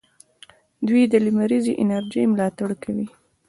دوی د لمریزې انرژۍ ملاتړ کوي.